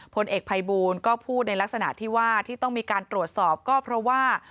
พลเอกภัยบูลก็พูดในลักษณะที่ว่าที่ต้องมีการตรวจสอบก็เพราะว่า